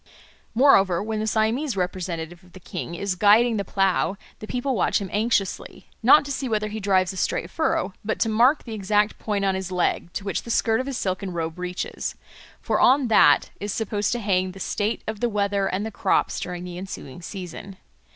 Moreover, when the Siamese representative of the king is guiding the plough, the people watch him anxiously, not to see whether he drives a straight furrow, but to mark the exact point on his leg to which the skirt of his silken robe reaches; for on that is supposed to hang the state of the weather and the crops during the ensuing season.